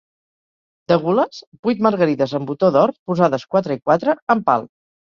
De gules, vuit margarides amb botó d'or posades quatre i quatre, en pal.